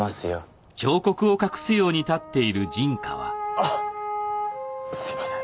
あっすいません。